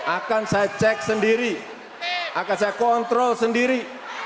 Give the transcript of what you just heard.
akan saya cek sendiri akan saya kontrol sendiri